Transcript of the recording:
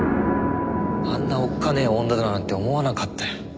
あんなおっかねえ女だなんて思わなかったよ。